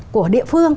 của địa phương